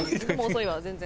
遅いわ全然。